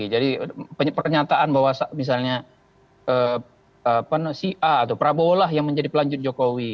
jadi pernyataan bahwa misalnya si a atau prabowo lah yang menjadi pelanjut jokowi